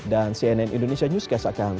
dan cnn indonesia newscast akan